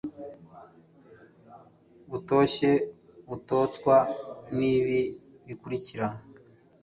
butoshye butatswe n ibi bikurikira